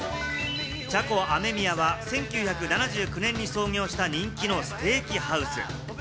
ＣＨＡＣＯあめみやは１９７９年に創業した人気のステーキハウス。